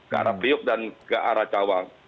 ke arah priok dan ke arah cawang